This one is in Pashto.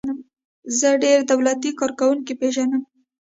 زه ډیر دولتی کارکوونکي پیژنم.